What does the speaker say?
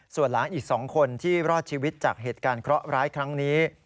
ส่วนหลานอีก๒คนที่รอดชีวิตจากเหตุการณ์เคราะห์ร้ายครั้งนี้